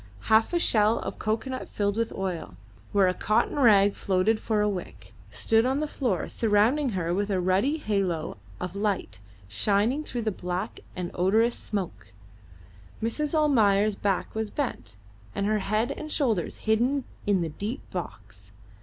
Half a shell of cocoanut filled with oil, where a cotton rag floated for a wick, stood on the floor, surrounding her with a ruddy halo of light shining through the black and odorous smoke. Mrs. Almayer's back was bent, and her head and shoulders hidden in the deep box.